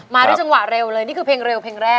มาด้วยจังหวะเร็วเลยนี่คือเพลงเร็วเพลงแรก